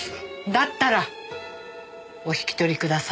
だったらお引き取りください。